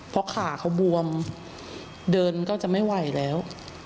เพราะขาเขาบวมเดินก็จะไม่ไหวแล้ว